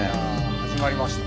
始まりました。